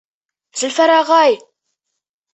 Зөлфәр ағай!